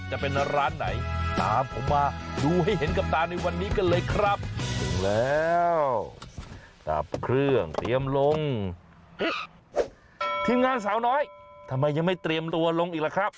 ก็นั่งช่วยพี่อาร์มดูอยู่ว่าค่ะว่าปิดไฟครบหรือยัง